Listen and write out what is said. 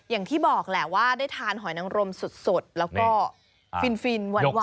อย่างที่บอกแหละว่าได้ทานหอยนังรมสดแล้วก็ฟินหวาน